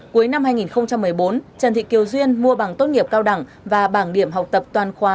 cuối năm hai nghìn một mươi bốn trần thị kiều duyên mua bằng tốt nghiệp cao đẳng và bảng điểm học tập toàn khóa